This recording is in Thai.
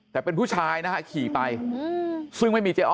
แต่เป็นผู้ชายนะฮะขี่ไปซึ่งไม่มีเจ๊อ้อ